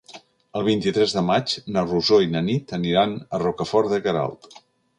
El vint-i-tres de maig na Rosó i na Nit aniran a Rocafort de Queralt.